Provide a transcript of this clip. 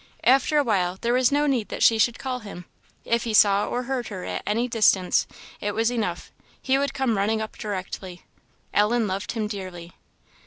After a while there was no need that she should call him; if he saw or heard her at a distance it was enough; he would come running up directly. Ellen loved him dearly.